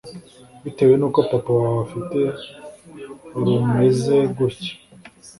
bitewe nuko papa wawe afite urumeze gutya,